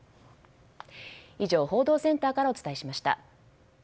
以上、報道センターからお伝えしました。